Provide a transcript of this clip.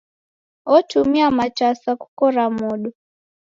Otumia matasa kukora modo.